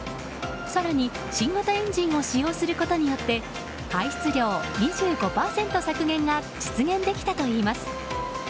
更に、新型エンジンを使用することによって排出量２５％削減が実現できたといいます。